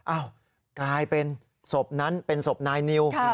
กลายเป็นศพนั้นเป็นศพนายนิว